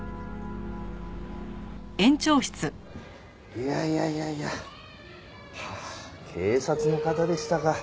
いやいやいやいや警察の方でしたか。